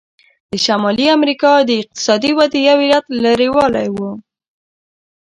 د شمالي امریکا د اقتصادي ودې یو علت لرې والی و.